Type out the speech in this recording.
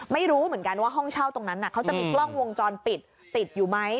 ไม่รู้เหมือนกันว่าห้องเช่าตรงนั้นเขาจะมีกล้องวงจรปิดติดอยู่ไหม